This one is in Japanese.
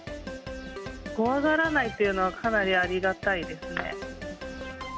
怖がらないというのはかなりありがたいですね。